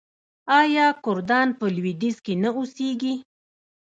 آیا کردان په لویدیځ کې نه اوسیږي؟